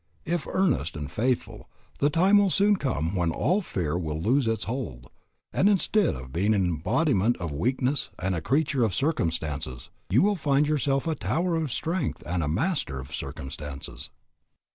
If earnest and faithful, the time will soon come when all fear will loose its hold; and instead of being an embodiment of weakness and a creature of circumstances, you will find yourself a tower of strength and a master of circumstances.